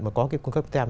mà có cái cung cấp tem